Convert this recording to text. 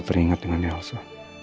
teringat dengan elsa